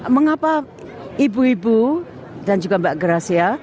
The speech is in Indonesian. mengapa ibu ibu dan juga mbak gracia